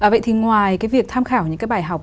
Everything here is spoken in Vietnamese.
vậy thì ngoài cái việc tham khảo những cái bài học